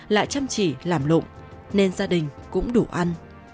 lại chăm chỉ làm lụng nên gia đình cũng đủ ăn